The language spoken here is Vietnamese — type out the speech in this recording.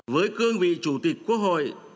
với cương vị chủ tịch quốc hội